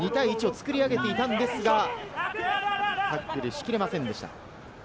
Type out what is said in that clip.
２対１を作り上げていたんですが、タックルしきれませんでした。